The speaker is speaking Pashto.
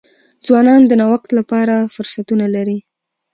ځوانان د نوښت لپاره فرصتونه لري.